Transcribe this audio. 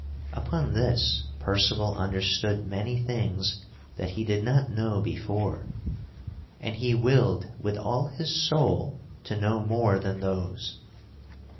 Upon this Percival understood many things that he did not know before, and he willed with all his soul to know more than those.